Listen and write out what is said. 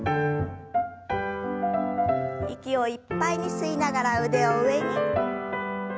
息をいっぱいに吸いながら腕を上に。